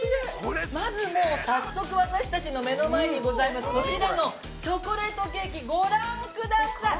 早速私たちの目の前にございます、こちらのチョコレートケーキ、ご覧ください。